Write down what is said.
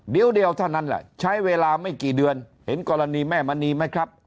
เดี๋ยวเดียวเท่านั้นแหละใช้เวลาไม่กี่เดือนเห็นกรณีแม่มณีไหมครับ